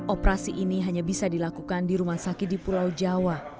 operasi ini hanya bisa dilakukan di rumah sakit di pulau jawa